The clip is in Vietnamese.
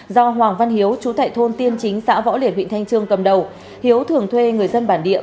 do hoàng văn hiếu chú tại thôn tiên chính xã võ liệt huyện thanh trương cầm đầu